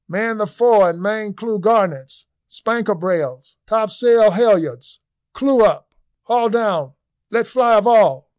"Man the fore and main clew garnets, spanker brails topsail halyards clew up haul down, let fly of all."